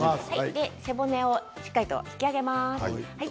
背骨をしっかりと引き上げます。